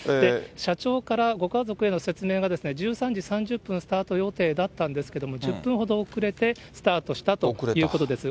社長からご家族への説明が、１３時３０分スタート予定だったんですけれども、１０分ほど遅れて、スタートしたということです。